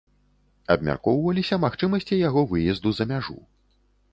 Абмяркоўваліся магчымасці яго выезду за мяжу.